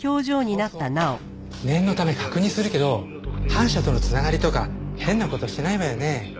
そうそう念のため確認するけど反社との繋がりとか変な事してないわよね？